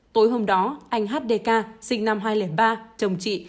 tối hôm đó anh h d k sinh năm hai nghìn ba chồng chị